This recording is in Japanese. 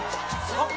あっ！